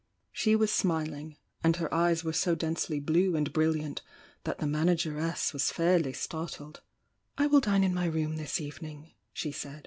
She was smiling, and her eyes were so densely blue and bri'Mant that the man ageress was fairly startled. "I will dine in my room this evening," she said.